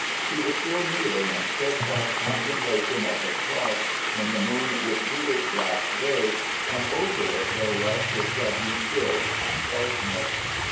He was still kneeling in steadfast contemplation of the cross when the moon withdrew its last ray and over it there rushed a sudden chill and darkness.